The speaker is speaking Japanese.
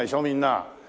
みんな。